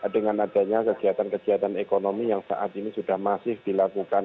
dengan adanya kegiatan kegiatan ekonomi yang saat ini sudah masih dilakukan